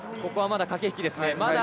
ここは、まだ駆け引きですね。